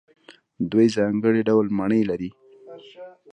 دوی ځانګړي ډول مڼې لري.